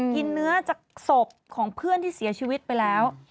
เนื้อจากศพของเพื่อนที่เสียชีวิตไปแล้ว